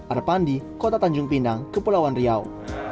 arpandi kota tanjung pinang kepulauan riau